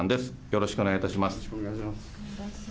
よろしくお願いします。